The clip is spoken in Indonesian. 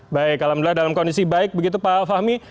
baik alhamdulillah dalam kondisi baik begitu pak fahmi